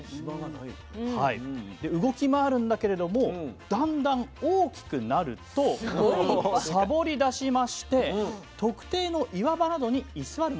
で動き回るんだけれどもだんだん大きくなるとさぼりだしまして特定の岩場などに居座るものが出てきます。